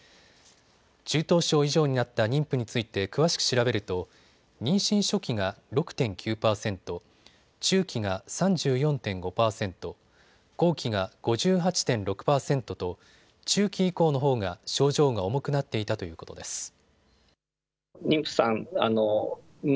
中等症以上になった妊婦について詳しく調べると妊娠初期が６．９％、中期が３４．５％、後期が５８．６％と中期以降のほうが症状が重くなっていたということです。